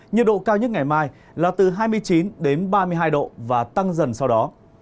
nhiệt độ cao nhất ngày mai là từ hai mươi chín đến ba mươi hai độ và tăng dần sau đó